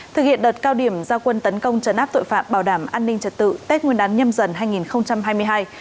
thực hiện đợt cao điểm gia quân tấn công trấn áp tội phạm bảo đảm an ninh trật tự tết nguyên đán nhâm dần hai nghìn hai mươi hai